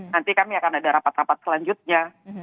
nanti kami akan ada rapat rapat selanjutnya